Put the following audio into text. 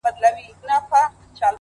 هره شېبه د بدلون فرصت لري’